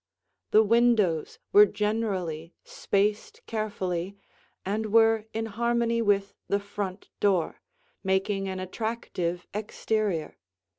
The windows were generally spaced carefully and were in harmony with the front door, making an attractive exterior.